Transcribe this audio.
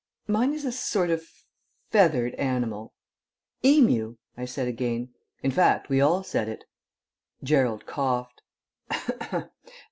"Mine is a sort of feathered animal." "Emu," I said again. In fact, we all said it. Gerald coughed.